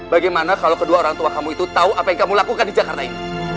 bagaimana kalau kedua orang tua kamu itu tahu apa yang kamu lakukan di jakarta ini